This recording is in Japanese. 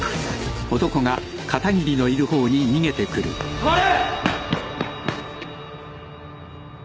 ・止まれ！